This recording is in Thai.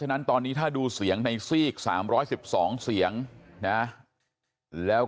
แต่ว่าการวางมือทางการเมืองของบิตุกก็ถือว่าเป็นการรีเซ็ตทางการเมืองอย่างหนึ่ง